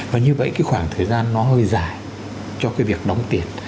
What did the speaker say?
và như vậy cái khoảng thời gian nó hơi dài cho cái việc đóng tiền